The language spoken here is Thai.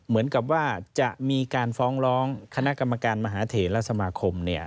เหมือนกับว่าจะมีการฟ้องร้องคณะกรรมการมหาเทศและสมาคม